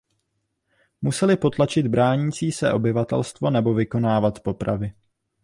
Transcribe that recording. Musely potlačit bránící se obyvatelstvo nebo vykonávat popravy.